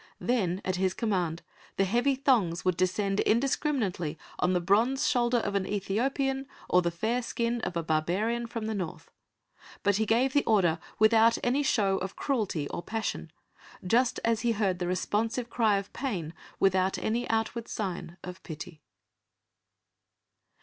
Then, at his command, the heavy thongs would descend indiscriminately on the bronze shoulder of an Ethiopian or the fair skin of a barbarian from the North; but he gave the order without any show of cruelty or passion, just as he heard the responsive cry of pain without any outward sign of pity.